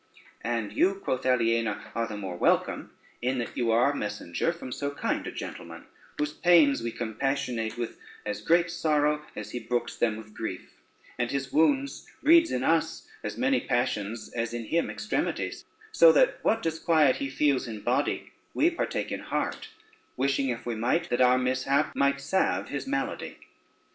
"And you," quoth Aliena, "are the more welcome in that you are messenger from so kind a gentleman, whose pains we compassionate with as great sorrow as he brooks them with grief; and his wounds breeds in us as many passions as in him extremities, so that what disquiet he feels in body we partake in heart, wishing, if we might, that our mishap might salve his malady.